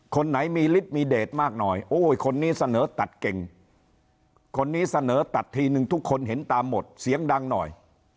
คนไหนมีฤทธิมีเดทมากหน่อยโอ้ยคนนี้เสนอตัดเก่งคนนี้เสนอตัดทีนึงทุกคนเห็นตามหมดเสียงดังหน่อย